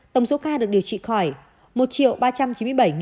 tổng số ca được điều trị khỏi một ba trăm chín mươi bảy một trăm năm mươi bảy ca